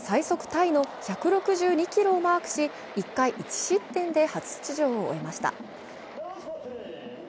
タイの１６２キロをマークし１回１失点で初出場を終えました。